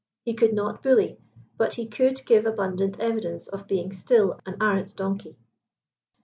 He could not bully, but he could give abundant evidence of being still an arrant donkey.